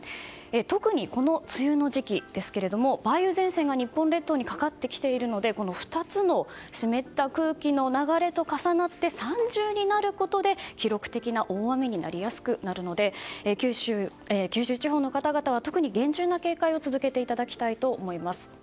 特にこの梅雨の時期ですが梅雨前線が日本列島にかかってきているので２つの湿った空気の流れと重なって三重になることで記録的な大雨になりやすくなるので九州地方の方々は特に厳重な警戒を続けていただきたいと思います。